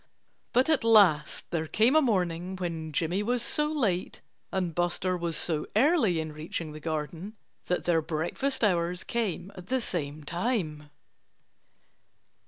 But at last there came a morning when Jimmy was so late and Buster was so early in reaching the garden that their breakfast hours came at the same time.